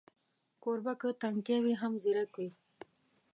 کوربه که تنکی وي، هم ځیرک وي.